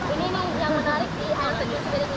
ini memang jangan menarik